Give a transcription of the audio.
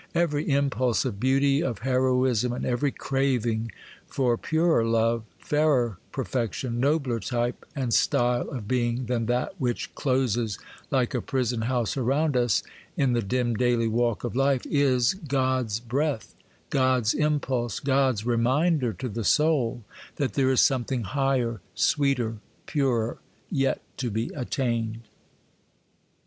Every impulse of beauty, of heroism, and every craving for purer love, fairer perfection, nobler type and style of being than that which closes like a prison house around us, in the dim, daily walk of life, is God's breath, God's impulse, God's reminder to the soul that there is something higher, sweeter, purer, yet to be attained.